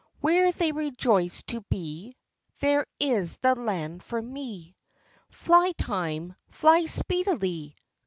Where they rejoice to be, There is the land for me ; Fly time — fly speedily